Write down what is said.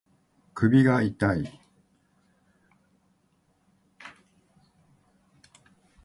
首が痛い